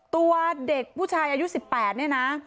ตัวเด็กผู้ชายอายุ๑๘เนี่ยนะ